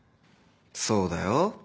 そうだよ